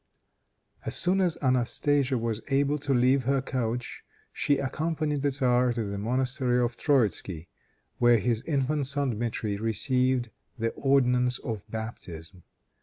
As soon as Anastasia was able to leave her couch she accompanied the tzar to the monastery of Yroitzky, where his infant son Dmitri received the ordinance of baptism.